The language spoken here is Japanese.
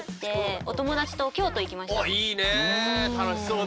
おっいいね楽しそうで。